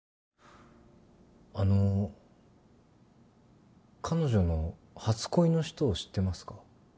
あの彼女の初恋の人を知ってますか。